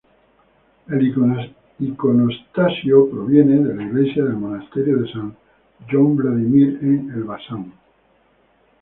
El iconostasio proviene de la iglesia del monasterio de san John Vladimir en Elbasan.